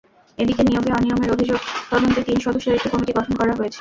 এদিকে নিয়োগে অনিয়মের অভিযোগ তদন্তে তিন সদস্যের একটি কমিটি গঠন করা হয়েছে।